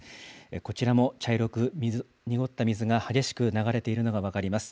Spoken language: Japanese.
こちらも茶色く濁った水が激しく流れているのが分かります。